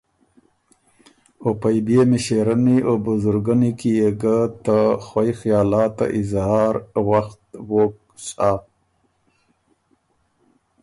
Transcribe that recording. او پئ بيې مِݭېرنی او بزرګنی کی يې ګۀ ته خوئ خیالات ته اظهار وخت ووک سَۀ۔